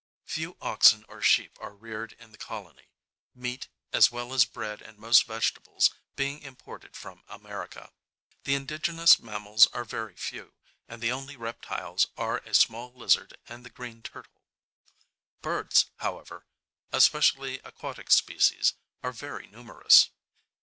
Few oxen or sheep are reared in the colony, meat, as well as bread and most vegetables, being imported from America. The indigenous mammals are very few, and the only reptiles are a small lizard and the green turtle. Birds, however, especially aquatic species, are very numerous.